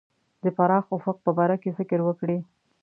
د پراخ افق په باره کې فکر وکړي.